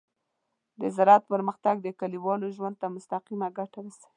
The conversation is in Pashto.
د زراعت پرمختګ د کليوالو ژوند ته مستقیمه ګټه رسوي.